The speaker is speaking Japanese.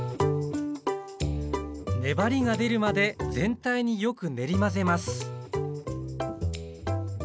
粘りが出るまで全体によく練り混ぜます